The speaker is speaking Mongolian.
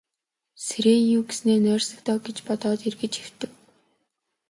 Сэрээе юү гэснээ нойрсог доо гэж бодоод эргэж хэвтэв.